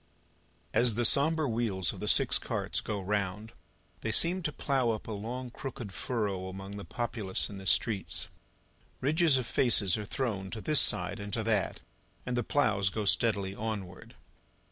As the sombre wheels of the six carts go round, they seem to plough up a long crooked furrow among the populace in the streets. Ridges of faces are thrown to this side and to that, and the ploughs go steadily onward.